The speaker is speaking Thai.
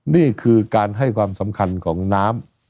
นี่คือการให้ความสำคัญของน้ำ